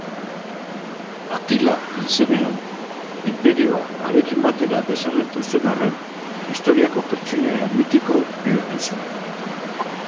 Atila hil zenean, inperioa harekin batera desagertu zen arren, historiako pertsonaia mitiko bihurtu zen.